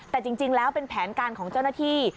แต่จริงแล้วเป็นแผนการของเจ้าหน้าที่